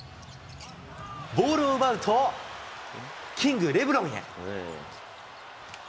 ボールを奪うと、キング、レブロンへ。